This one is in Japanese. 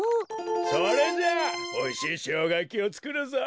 それじゃあおいしいショウガやきをつくるぞ！